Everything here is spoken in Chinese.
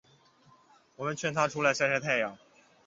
我们劝她出去晒晒太阳